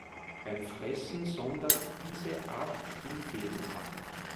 Beim Fressen sondert diese Art Spinnfäden ab.